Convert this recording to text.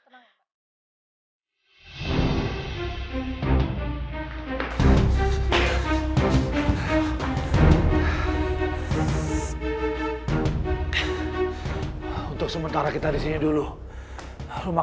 reno mengerahkan bodyguardnya